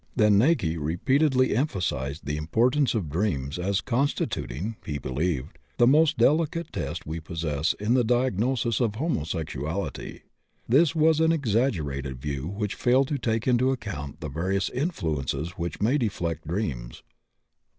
Then Näcke repeatedly emphasized the importance of dreams as constituting, he believed, the most delicate test we possess in the diagnosis of homosexuality; this was an exaggerated view which failed to take into account the various influences which may deflect dreams.